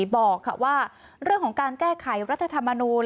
บอกว่าเรื่องของการแก้ไขรัฐธรรมนูล